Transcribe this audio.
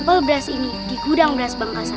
kualitas ini di gudang beras bang krasan